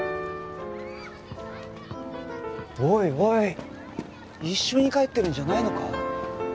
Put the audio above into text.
おいおい一緒に帰ってるんじゃないのか？